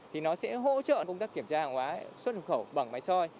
thì nó sẽ hỗ trợ công tác kiểm tra hàng hóa xuất nhập khẩu bằng máy soi